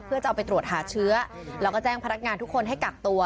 เพื่อจะเอาไปตรวจหาเชื้อแล้วก็แจ้งพนักงานทุกคนให้กักตัว